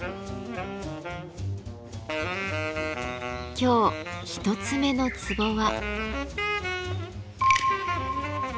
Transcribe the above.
今日一つ目のツボは。